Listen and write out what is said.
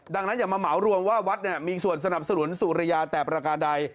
ดังนั้นอย่ามาเหมารวมว่าวัดมีส่วนสนับสนุนสุริยาแต่ประการใด